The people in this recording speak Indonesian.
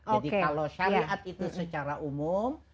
jadi kalau syariat itu secara umum